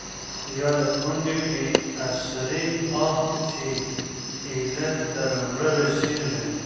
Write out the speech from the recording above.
يا َد کونډې بې اسرې آه چې ا يله تر ورۀ رسيږي